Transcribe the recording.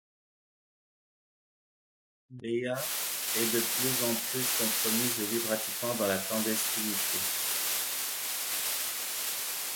Léa est de plus en plus compromise et vit pratiquement dans la clandestinité.